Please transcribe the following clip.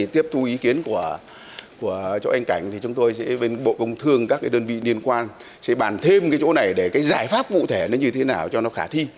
tiếp thu ý kiến của chỗ anh cảnh thì chúng tôi sẽ bên bộ công thương các cái đơn vị liên quan sẽ bàn thêm cái chỗ này để cái giải pháp cụ thể nó như thế nào cho nó khả thi